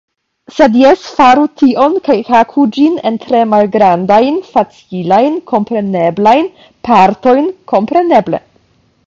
Sed jes faru tion kaj haku ĝin en tre malgrandajn facilajn, kompreneblajn partojn. Kompreneble.